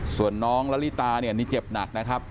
ส่วนน้องละลิตาเนี่ยนี่เจ็บหนักนะครับ